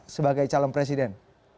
sebagai calon presiden